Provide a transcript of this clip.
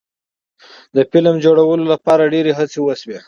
د فلم جوړولو لپاره ډیرې هڅې وشوې.